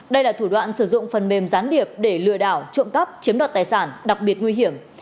đây là thủ đoạn sử dụng phần mềm gián điệp để lừa đảo trộm cắp chiếm đoạt tài sản đặc biệt nguy hiểm